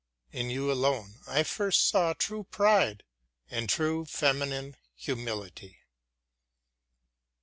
In you alone I first saw true pride and true feminine humility.